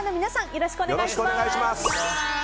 よろしくお願いします。